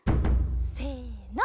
せの。